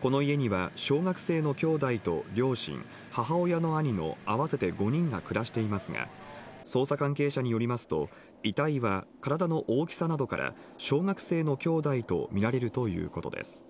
この家には小学生の兄弟と両親、母親の兄の合わせて５人が暮らしていますが捜査関係者によりますと遺体は体の大きさなどから小学生の兄弟とみられるということです。